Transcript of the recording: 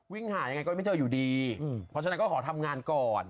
หายังไงก็ไม่เจออยู่ดีเพราะฉะนั้นก็ขอทำงานก่อน